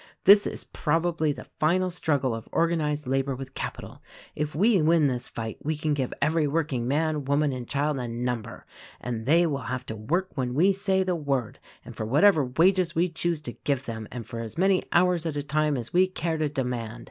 This is probably the final struggle of organized labor with capital. If we win this fight we can give every working man, woman and child a number, and they will have to work when we say the word — and for whatever wages we choose to give them, and for as many hours at a time as we care to demand.